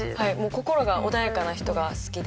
心が穏やかな人が好きで。